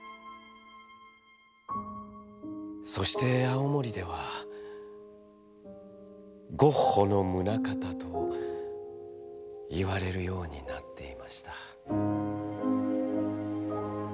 「そして青森では『ゴッホのムナカタ』といわれるようになっていました」。